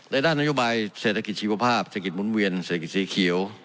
ด้านนโยบายเศรษฐกิจชีวภาพเศรษฐกิจหมุนเวียนเศรษฐกิจสีเขียว